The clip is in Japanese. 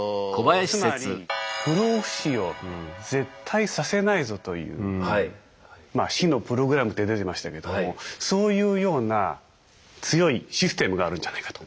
つまり不老不死を絶対させないぞというまあ死のプログラムって出てましたけどもそういうような強いシステムがあるんじゃないかと。